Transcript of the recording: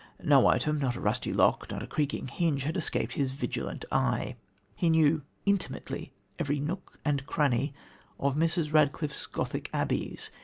No item, not a rusty lock, not a creaking hinge, had escaped his vigilant eye. He knew intimately every nook and cranny of Mrs. Radcliffe's Gothic abbeys.